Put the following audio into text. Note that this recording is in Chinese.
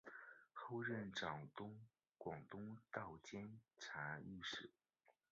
后任掌广东道监察御史。